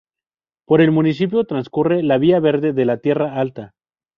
Por el municipio transcurre la Vía verde de la Tierra Alta.